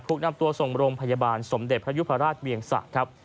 ถูกนำตัวส่งโรงพยาบาลสมเด็จพระยุพราชเวียงสะครับ